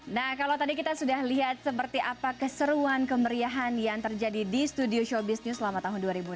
nah kalau tadi kita sudah lihat seperti apa keseruan kemeriahan yang terjadi di studio showbiz news selama tahun dua ribu enam belas